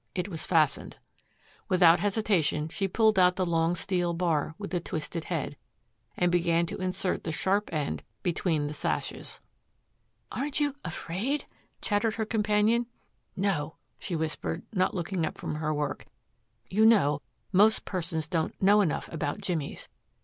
It was fastened. Without hesitation she pulled out the long steel bar with the twisted head, and began to insert the sharp end between the sashes. "Aren't you afraid?" chattered her companion. "No," she whispered, not looking up from her work. "You know, most persons don't know enough about jimmies.